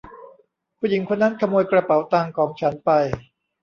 ผู้หญิงคนนั้นขโมยกระเป๋าตังค์ของฉันไป !